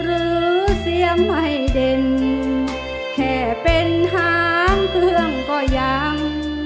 หรือเสียงไม่เด่นแค่เป็นหางเครื่องก็ยัง